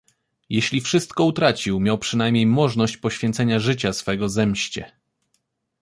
"Jeśli wszystko utracił, miał przynajmniej możność poświecenia życia swego zemście."